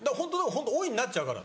ホント「おい」になっちゃうから。